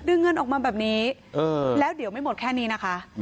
เงินออกมาแบบนี้แล้วเดี๋ยวไม่หมดแค่นี้นะคะ